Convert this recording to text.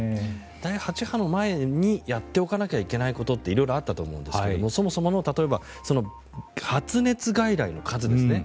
第８波の前にやっておかなきゃいけないことって色々あったと思うんですがそもそもの例えば発熱外来の数ですね。